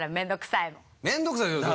「面倒くさい」。